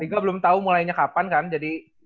tiga belum tau mulainya kapan kan jadi